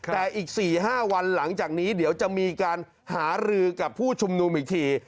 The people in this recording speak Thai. แต่อีก๔๕วันหลังจากนี้เดี๋ยวจะมีการหารือกับผู้ชุมนุมอีกที